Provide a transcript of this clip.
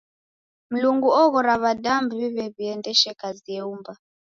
Mlungu oghora w'adamu w'ive w'iendeshe kazi eumba.